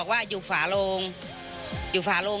เขาเลยว่ากับว่าอยู่ฝาโลง